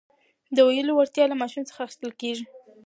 د ویلو وړتیا له ماشوم څخه اخیستل کېږي.